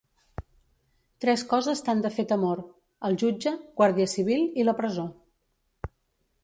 Tres coses t'han de fer temor: el jutge, guàrdia civil i la presó.